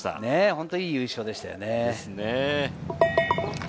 本当にいい優勝でしたよね。